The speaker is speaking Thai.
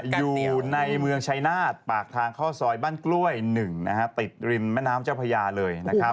อยู่ในเมืองชายนาฏปากทางเข้าซอยบ้านกล้วย๑ติดริมแม่น้ำเจ้าพญาเลยนะครับ